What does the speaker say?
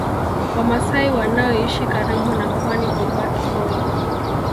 Wamasai wanaoishi karibu na Pwani huvaa kikoi